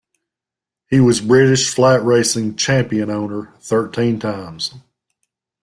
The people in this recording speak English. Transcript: He was British flat racing Champion Owner thirteen times.